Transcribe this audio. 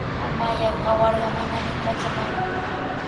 Mamallaa kawarqa manami katramaqku.